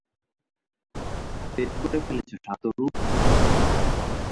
দেরি করে ফেলেছো, সাতোরু।